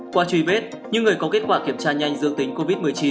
qua truy vết những người có kết quả kiểm tra nhanh dương tính covid một mươi chín